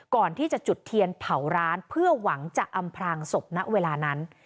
ก่อนที่จะจุดเทียนเผาร้านเพื่อหวังจะอำพลางศพณเวลานั้น